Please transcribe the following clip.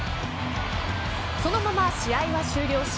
そのまま試合は終了し